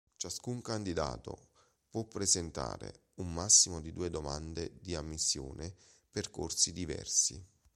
Ciascun candidato può presentare un massimo di due domande di ammissione per corsi diversi.